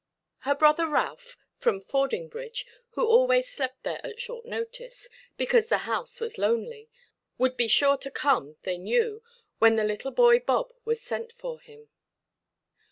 Her brother Ralph, from Fordingbridge, who always slept there at short notice, because the house was lonely, would be sure to come (they knew) when the little boy Bob was sent for him.